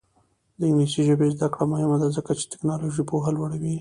د انګلیسي ژبې زده کړه مهمه ده ځکه چې تکنالوژي پوهه لوړوي.